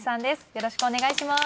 よろしくお願いします。